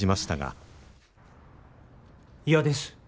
嫌です。